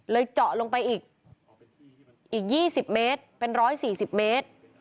เลยเจาะลงไปอีกอีกยี่สิบเมตรเป็นร้อยสี่สิบเมตร